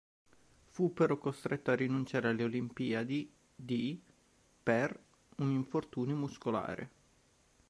Fu però costretto a rinunciare alle Olimpiadi di per un infortunio muscolare.